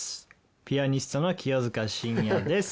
ピアニストの清塚信也です。